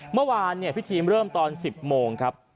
เมื่อวานพิธีเริ่มตอน๑๐โมงครับ